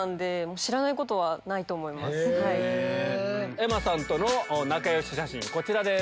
ｅｍｍａさんとの仲良し写真こちらです。